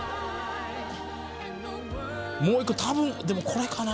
もう一個たぶんでもこれかなあ。